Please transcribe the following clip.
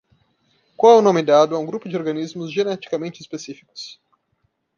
Qual é o nome dado a um grupo de organismos geneticamente específicos?